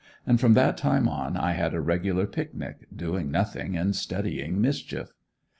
And from that time on I had a regular picnic, doing nothing and studying mischief.